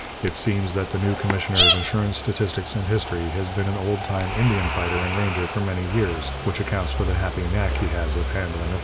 It seems that the new Commissioner of Insurance, Statistics, and History has been an old time Indian fighter and ranger for many years, which accounts for the happy knack he has of handling a